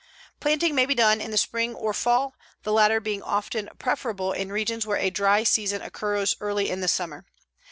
] Planting may be done in the spring or fall, the latter being often preferable in regions where a dry season occurs early in the summer.